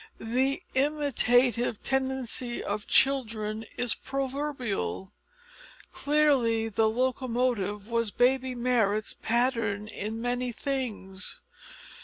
The imitative tendency of children is proverbial. Clearly the locomotive was baby Marrot's pattern in many things.